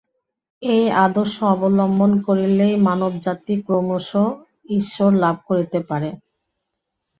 এই আদর্শ অবলম্বন করিলেই মানবজাতি ক্রমশ ঈশ্বর লাভ করিতে পারে।